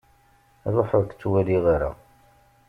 Ruḥ ur-k ttwaliɣ ara!